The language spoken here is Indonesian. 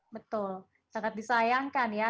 betul sangat disayangkan ya